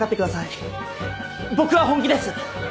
僕は本気です。